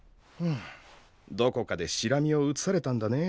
どこかでシラミをうつされたんだね。